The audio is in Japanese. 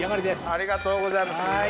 ありがとうございます。